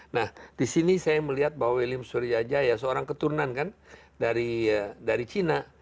nah di sini saya melihat bahwa william surya jaya seorang keturunan kan dari cina